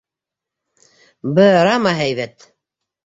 Бырама һәйбәт!